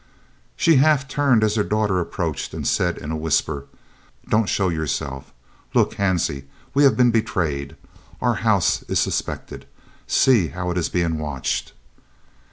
She half turned as her daughter approached and said in a whisper: "Don't show yourself. Look, Hansie, we have been betrayed. Our house is suspected. See how it is being watched."